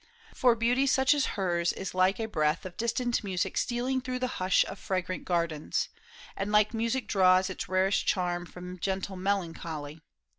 For beauty such as hers is like a breath Of distant music stealing through the hush Of fragrant gardens, and like music draws Its rarest charm from gentle melancholy.